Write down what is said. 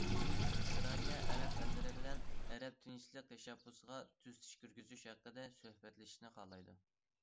ئىسرائىلىيە ئەرەب ئەللىرى بىلەن ئەرەب تىنچلىق تەشەببۇسىغا تۈزىتىش كىرگۈزۈش ھەققىدە سۆھبەتلىشىشنى خالايدۇ.